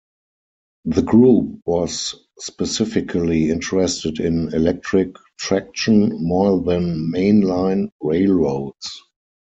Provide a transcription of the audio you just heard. The group was specifically interested in electric traction, more than main line railroads.